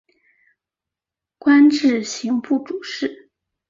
官至刑部主事。